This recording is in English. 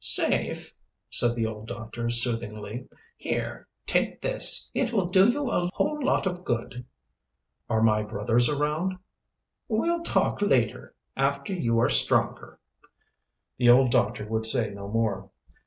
"Safe," said the old doctor soothingly. "Here, take this. It will do you a whole lot of good." "Are my brothers around?" "We'll talk later, after you are stronger." The old doctor would say no more.